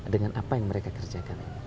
dengan apa yang mereka kerjakan